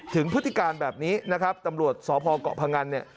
พฤติการแบบนี้นะครับตำรวจสพเกาะพงันเนี่ย